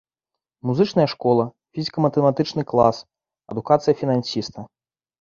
Музычная школа, фізіка-матэматычны клас, адукацыя фінансіста.